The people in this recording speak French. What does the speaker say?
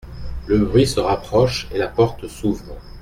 Le bruit se rapproche et la porte s’ouvre.